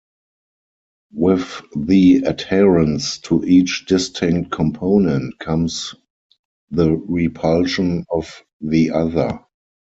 With the adherence to each distinct component, comes the repulsion of the other.